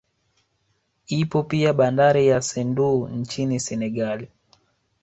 Ipo pia bandari ya Sendou nchini Senegal